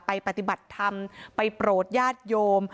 ปฏิบัติธรรมไปโปรดญาติโยม